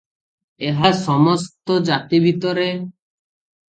ଏହା ସମସ୍ତ ଜାତି ଭିତରେ ।